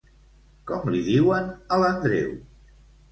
Com li diuen, a l'Andreu?